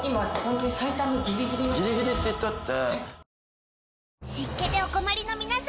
ギリギリって言ったって。